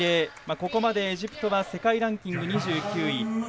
ここまでエジプトは世界ランキング２９位。